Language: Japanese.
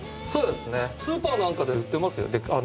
そうですねスーパーなんかで売ってますよ。